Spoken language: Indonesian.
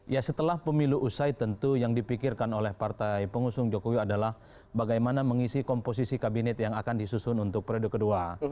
ya setelah pemilu usai tentu yang dipikirkan oleh partai pengusung jokowi adalah bagaimana mengisi komposisi kabinet yang akan disusun untuk periode kedua